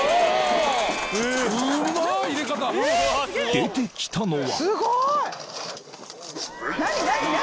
［出てきたのは］